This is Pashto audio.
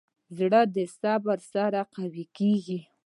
زړه د صبر سره قوي کېږي.